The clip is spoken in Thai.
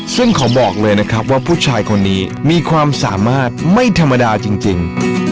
ซึ่งขอบอกเลยนะครับว่าผู้ชายคนนี้มีความสามารถไม่ธรรมดาจริง